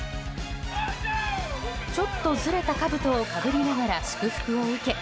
ちょっとずれたかぶとをかぶりながら祝福を受け